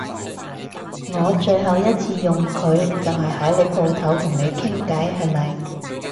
我最後一次用佢就係喺舖頭同你傾偈係咪？